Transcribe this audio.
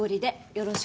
よろしく。